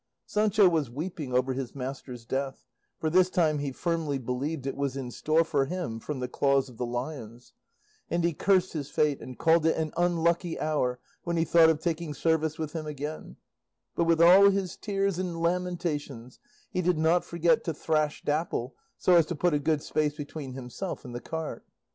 Sancho was weeping over his master's death, for this time he firmly believed it was in store for him from the claws of the lions; and he cursed his fate and called it an unlucky hour when he thought of taking service with him again; but with all his tears and lamentations he did not forget to thrash Dapple so as to put a good space between himself and the cart.